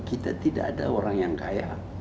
kita tidak ada orang yang kaya